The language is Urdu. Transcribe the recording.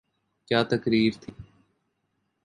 کیا تقریر تھی۔